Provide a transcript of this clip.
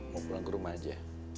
mau pulang ke rumah aja